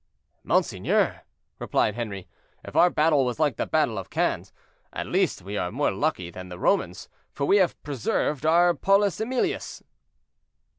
"Monseigneur," replied Henri, "if our battle was like the battle of Cannes, at least we are more lucky than the Romans, for we have preserved our Paulus Emilius!"